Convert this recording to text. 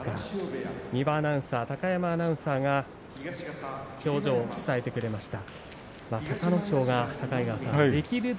三輪アナウンサー高山アナウンサーが表情を伝えてくれました。